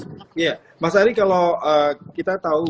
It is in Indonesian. iya mas ari kalau kita tahu